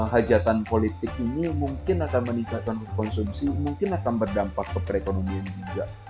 hajatan politik ini mungkin akan meningkatkan konsumsi mungkin akan berdampak ke perekonomian juga